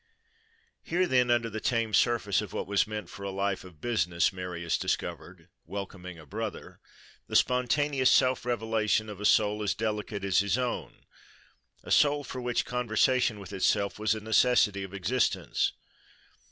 Here, then, under the tame surface of what was meant for a life of business, Marius discovered, welcoming a brother, the spontaneous self revelation of a soul as delicate as his own,—a soul for which conversation with itself was a necessity of existence.